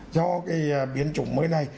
do cái biến chủng mới này